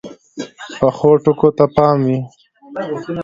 پخو ټکو ته پام وي